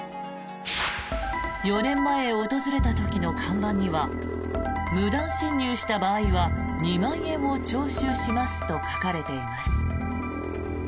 ４年前、訪れた時の看板には無断進入した場合は２万円を徴収しますと書かれています。